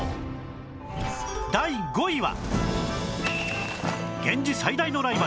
第５位は